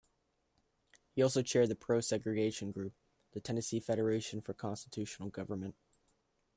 He also chaired the pro-segregation group, the Tennessee Federation for Constitutional Government.